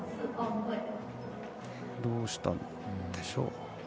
どうしたんでしょう。